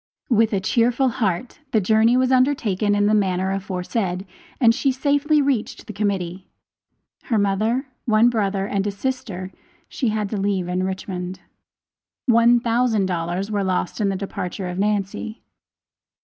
With a cheerful heart the journey was undertaken in the manner aforesaid, and she safely reached the Committee. Her mother, one brother and a sister she had to leave in Richmond. One thousand dollars were lost in the departure of Nancy.